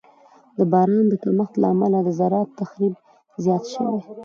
د باران د کمښت له امله د زراعت تخریب زیات شوی.